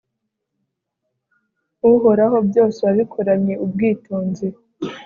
uhoraho, byose wabikoranye ubwitonzi